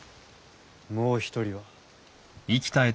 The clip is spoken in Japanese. もう一人は。